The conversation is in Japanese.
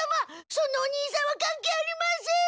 そのお兄さんは関係ありません。